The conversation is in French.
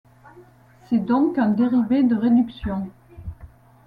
C'est donc un dérivé de réduction.